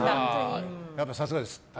やっぱり、さすがです。